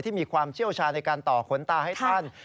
มีความเชี่ยวชาญในการต่อขนตาให้ท่าน